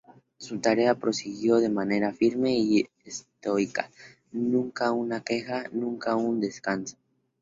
Su tarea prosiguió de manera firme y estoica; nunca una queja, nunca un descanso.